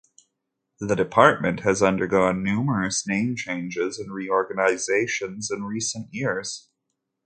The department has undergone numerous name changes and reorganisations in recent years.